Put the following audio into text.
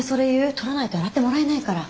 取らないと洗ってもらえないから。